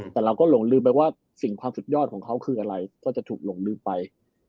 แต่เราก็หลงลืมไปว่าสิ่งความสุดยอดของเขาคืออะไรก็จะถูกหลงลืมไป